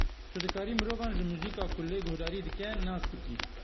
Tu dikarî mirovan ji muzîka ku lê guhdarî dike, nas bikî.